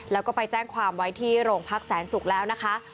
แล้วก็ไปแจ้งความไว้ที่โรงพักแสนศุกร์แล้วนะคะ